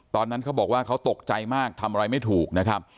ตอนนั้นเขาบอกว่าเขาตกใจมากทำอะไรไม่ถูกนะครับ